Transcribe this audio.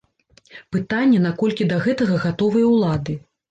Пытанне, наколькі да гэтага гатовыя ўлады.